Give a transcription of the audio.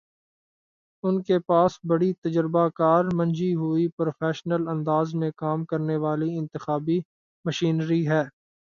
ان کے پاس بڑی تجربہ کار، منجھی ہوئی، پروفیشنل انداز میں کام کرنے والی انتخابی مشینری ہے۔